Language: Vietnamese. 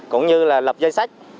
cũng như là lập dây sách